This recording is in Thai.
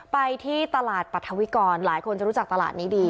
ไปที่ตลาดปรัฐวิกรหลายคนจะรู้จักตลาดนี้ดี